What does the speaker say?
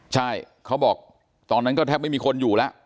ใช่เขาบอกตอนนั้นก็แทบไม่มีคนอยู่แล้ว